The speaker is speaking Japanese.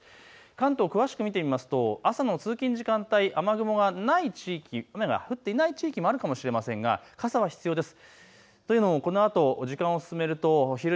関東、詳しく見てみますと朝の通勤時間帯、雨雲がない地域、雨が降っていない地域もあるのかもしれませんが傘が必要です。